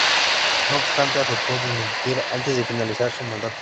No obstante aceptó dimitir antes de finalizar su mandato.